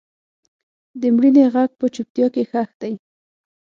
د مړینې غږ په چوپتیا کې ښخ دی.